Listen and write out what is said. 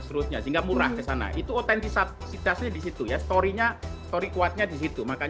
seterusnya sehingga murah kesana itu otentisitasnya disitu ya story kuatnya disitu makanya